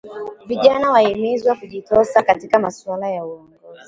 Vijana wahimizwa kujitosa katika masuala ya uongozi